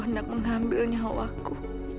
hendak mengambil nyawa ku